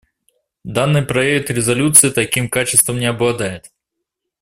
Данный проект резолюции таким качеством не обладает.